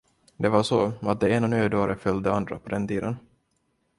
Det var så, att det ena nödåret följde det andra på den tiden.